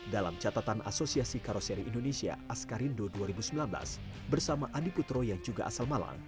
dalam catatan asosiasi karoseri indonesia askarindo dua ribu sembilan belas bersama andi putro yang juga asal malang